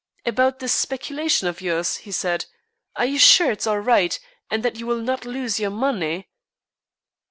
"About this speculation of yours," he said. "Are you sure it's all right, and that you will not lose your money?"